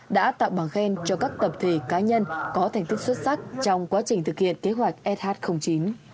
đã tặng bằng khen cho các tập thể cá nhân có thành tích xuất sắc trong quá trình thực hiện kế hoạch sh chín